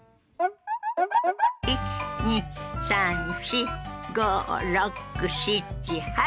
１２３４５６７８。